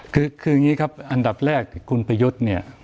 คืออย่างนี้ครับอันดับแรกคุณประยุทธ์เนี่ย